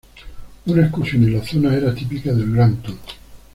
Una excursión en la zona era típica del Grand Tour.